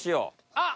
あっ！